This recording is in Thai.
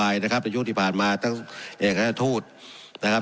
มากมายนะครับในยุคที่ผ่านมาตั้งแห่งแห่งท่าทูตนะครับ